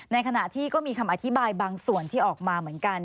ในขณะที่ก็มีคำอธิบายบางส่วนที่ออกมาเหมือนกัน